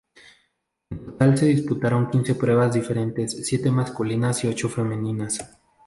En total se disputaron quince pruebas diferentes, siete masculinas y ocho femeninas.